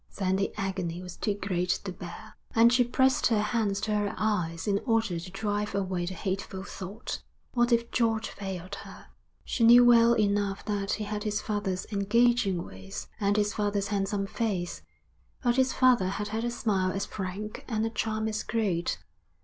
Then the agony was too great to bear, and she pressed her hands to her eyes in order to drive away the hateful thought: what if George failed her? She knew well enough that he had his father's engaging ways and his father's handsome face; but his father had had a smile as frank and a charm as great.